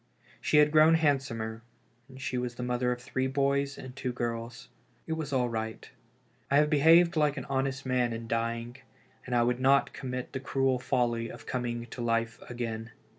She had grown handsomer, and she was the mother of three boys and two girls. It was all right. I had behaved like an honest man in dying, and I would not commit the cruel folly of coming to life again.